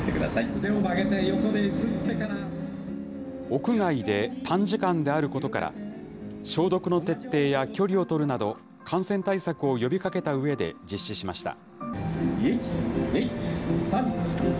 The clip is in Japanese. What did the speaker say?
屋外で短時間であることから、消毒の徹底や距離を取るなど、感染対策を呼びかけたうえで、実施しました。